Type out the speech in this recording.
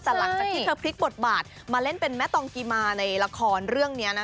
แต่หลังจากที่เธอพลิกบทบาทมาเล่นเป็นแม่ตองกิมาในละครเรื่องนี้นะ